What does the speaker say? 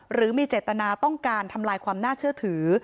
หรือมีเจตนาต้องการทำลายความน่าเชื่อถือ